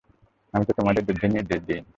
আমি তো তোমাদের যুদ্ধের নির্দেশ দেইনি।